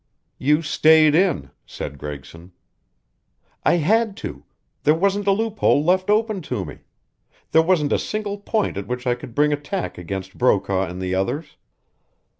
"You stayed in," said Gregson. "I had to. There wasn't a loophole left open to me. There wasn't a single point at which I could bring attack against Brokaw and the others.